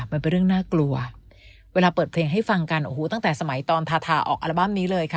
มันเป็นเรื่องน่ากลัวเวลาเปิดเพลงให้ฟังกันโอ้โหตั้งแต่สมัยตอนทาทาออกอัลบั้มนี้เลยค่ะ